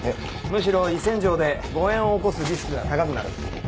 むしろ胃洗浄で誤嚥を起こすリスクが高くなる。